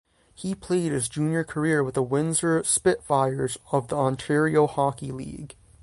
He played his junior career with the Windsor Spitfires of the Ontario Hockey League.